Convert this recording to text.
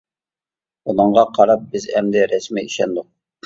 بۇنىڭغا قاراپ بىز ئەمدى رەسمىي ئىشەندۇق.